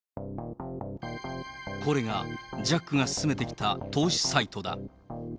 これがジャックが勧めてきた投資サイトだ。